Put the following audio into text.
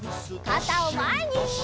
かたをまえに！